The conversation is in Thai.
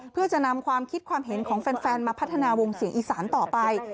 เพื่อจะนำความคิดความเห็นของแฟนมาพัฒนาวงเสียงอีสานต่อไป